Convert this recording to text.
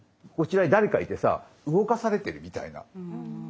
こちらに誰かいてさ動かされてるみたいな。